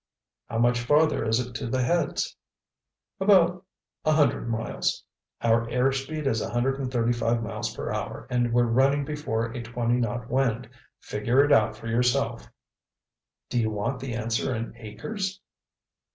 "How much farther is it to the Heads?" "About a hundred miles. Our airspeed is 135 M.P.H., and we're running before a twenty knot wind. Figure it out for yourself." "D'you want the answer in acres?"